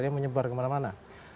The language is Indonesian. dia menyebar kemana mana